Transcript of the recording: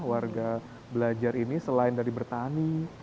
warga belajar ini selain dari bertani